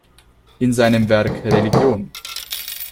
In seinem Werk „Religion.